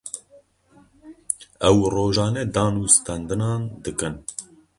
Ew rojane danûstandinan dikin.